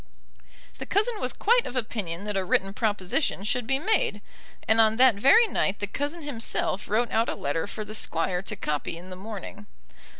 The cousin was quite of opinion that a written proposition should be made; and on that very night the cousin himself wrote out a letter for the Squire to copy in the morning.